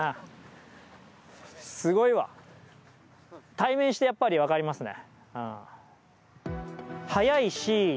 対面してやっぱり分かりますね。